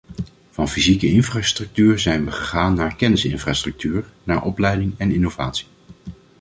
Van fysieke infrastructuur zijn we gegaan naar kennisinfrastructuur, naar opleiding en innovatie.